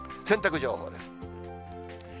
洗濯情報です。